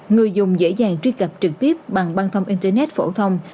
người dùng dễ dàng truy cập trực tiếp bằng băng thông internet phổ thông